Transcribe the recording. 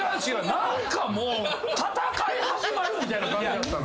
何かもう戦い始まるみたいな感じやった。